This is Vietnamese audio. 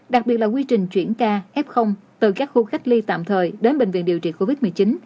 đặc biệt là quy trình chuyển ca f từ các khu cách ly tạm thời đến bệnh viện điều trị covid một mươi chín